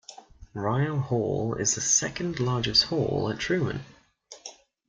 Ryle Hall is the second largest hall at Truman.